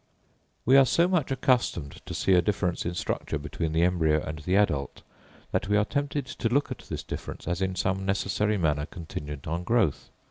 We are so much accustomed to see a difference in structure between the embryo and the adult, that we are tempted to look at this difference as in some necessary manner contingent on growth.